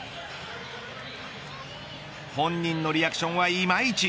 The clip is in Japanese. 本人のリアクションはいまいち。